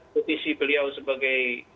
petisi beliau sebagai